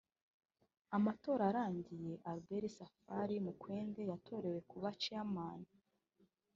Amatora arangiye Albert Safari Mukwende yatorewe kuba Chairman